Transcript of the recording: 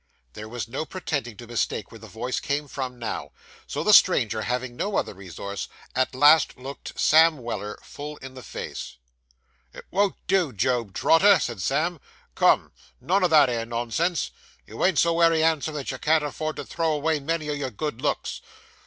There was no pretending to mistake where the voice came from now, so the stranger, having no other resource, at last looked Sam Weller full in the face. 'It won't do, Job Trotter,' said Sam. 'Come! None o' that 'ere nonsense. You ain't so wery 'andsome that you can afford to throw avay many o' your good looks.